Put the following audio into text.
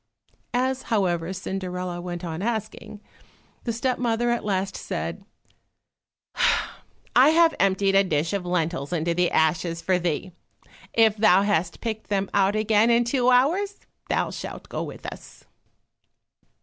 As, however, Cinderella went on asking, the step mother at last said, "I have emptied a dish of lentils into the ashes for thee, if thou hast picked them out again in two hours, thou shalt go with us."